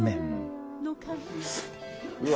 うわ！